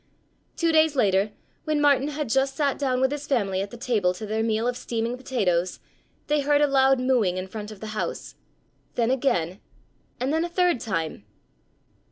Two days later, when Martin had just sat down with his family at the table to their meal of steaming potatoes, they heard a loud mooing in front of the house—then again, and then a third time!